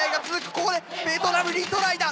ここでベトナムリトライだ！